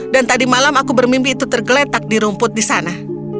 dan tadi malam aku bermimpi itu tergeletak di rumput di sana